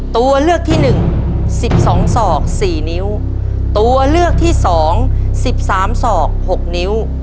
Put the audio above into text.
ตัวเลือกที่หนึ่งสิบสองศอกสี่นิ้วตัวเลือกที่สองสิบสามศอกหกนิ้ว